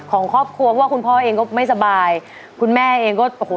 ของครอบครัวเพราะว่าคุณพ่อเองก็ไม่สบายคุณแม่เองก็โอ้โห